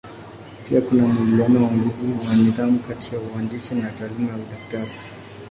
Pia kuna mwingiliano wa nguvu wa nidhamu kati ya uhandisi na taaluma ya udaktari.